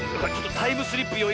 タイムスリップよいが。